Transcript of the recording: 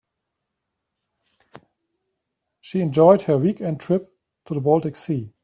She enjoyed her weekend trip to the baltic sea.